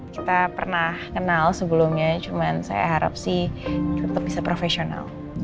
kita pernah kenal sebelumnya cuman saya harap sih tetap bisa profesional